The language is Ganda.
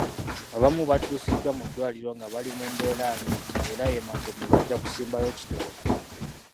Abamu baddusiddwa mu ddwaliro nga bali mu mbeera mbi era e Magombe bajja kusimbayo kitooke.